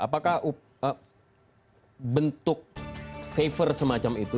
apakah bentuk favor semacam itu